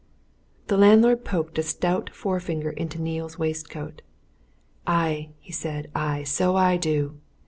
The landlord poked a stout forefinger into Neale's waistcoat. "Aye!" he said. "Aye, so I do!